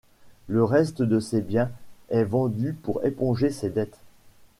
Le reste de ses biens est vendu pour éponger ses dettes.